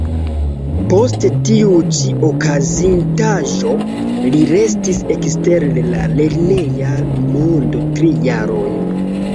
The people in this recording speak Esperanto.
Post tiu ĉi okazintaĵo li restis ekster la lerneja mondo tri jarojn.